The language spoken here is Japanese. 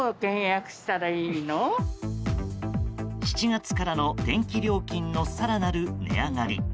７月からの電気料金の更なる値上がり。